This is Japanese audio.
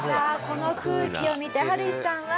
この空気を見てハルヒさんは。